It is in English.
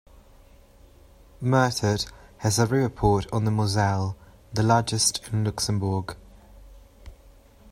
Mertert has a river port on the Moselle, the largest in Luxembourg.